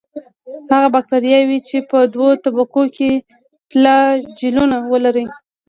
هغه باکتریاوې چې په دوو قطبونو کې فلاجیلونه ولري.